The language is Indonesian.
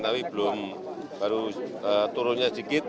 tapi belum baru turunnya sedikit